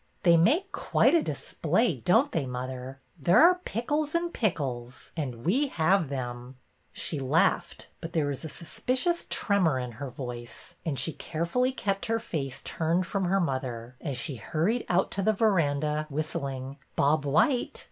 They make quite a display, don't they, mother ? There are pickles and pickles, — and we have them !" She laughed, but there was a suspicious tremor in her voice, and she carefully kept her face turned from her mother, as she hurried out to the veranda, whistling Bob white.